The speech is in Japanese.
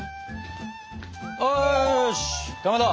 よしかまど。